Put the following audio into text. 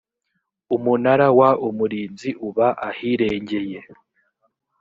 umunara w umurinzi uba ahirengeye